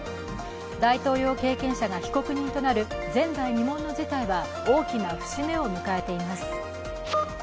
大統領経験者が被告人となる前代未聞の事態は大きな節目を迎えています。